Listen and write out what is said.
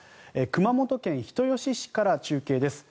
熊本県人吉市から中継です。